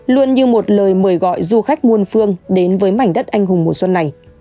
luôn như một lời mời gọi du khách muôn phương đến với mảnh đất anh hùng mùa xuân này